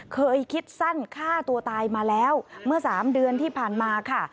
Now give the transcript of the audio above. เคยคิดสั้นฆ่าตัวตายมาแล้วเมื่อ๓เดือนที่ผ่านมาค่ะ